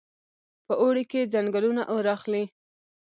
په اوړي کې ځنګلونه اور اخلي.